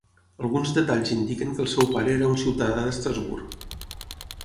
Alguns detalls indiquen que el seu pare era un ciutadà d'Estrasburg.